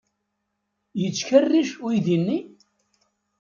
Yettkerric uydi-nni?